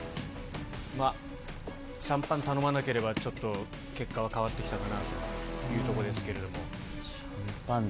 シャンパン頼まなければ、ちょっと結果は変わってきたかなというところですけれども。